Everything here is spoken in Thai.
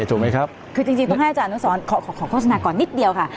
คือจริงต้องให้อาจารย์นะตอนนี้ขอข้อสัญญาขอนิดเดียวค่ะ